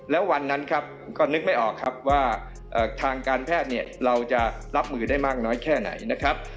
แล้ววันนั้นก็นึกไม่ออกว่าทางการแพทย์เราจะรับมือได้มากน้อยแค่ไหน